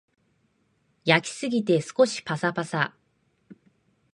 焼きすぎて少しパサパサ